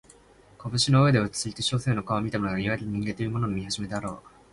掌の上で少し落ちついて書生の顔を見たのがいわゆる人間というものの見始めであろう